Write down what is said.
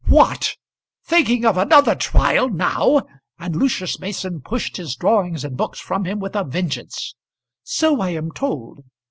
"What! thinking of another trial now?" and Lucius Mason pushed his drawings and books from him with a vengeance. "So I am told."